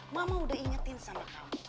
mama udah ingetin sama kamu